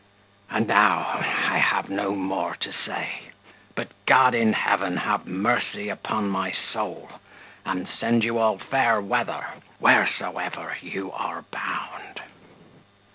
And now I have no more to say, but God in heaven have mercy upon my soul, and send you all fair weather, wheresoever you are bound."